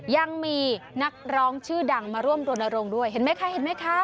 ยังมีนักร้องชื่อดังมาร่วมโดนโรงด้วยเห็นไหมคะ